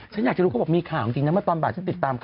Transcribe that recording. ฉันอยากจะรู้กูบอกมีข่าวบางจ